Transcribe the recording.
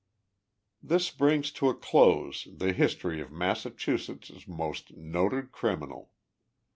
This brings to a close the history of Massachusetts' most noted criminal.